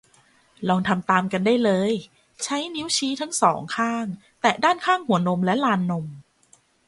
ลองทำตามกันได้เลย ให้ใช้นิ้วชี้ทั้ง สอง ข้างแตะด้านข้างหัวนมและลานนม